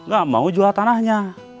gak mau jual tanahnya